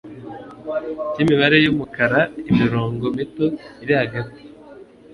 k'imibare y'umukara imirongo mito iri hagati